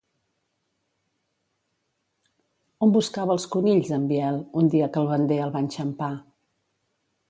On buscava els conills, en Biel, un dia que el bander el va enxampar?